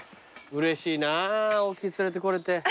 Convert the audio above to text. うれしいな大木連れてこれて。